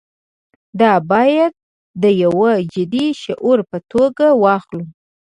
دا باید د یوه جدي شعور په توګه واخلو.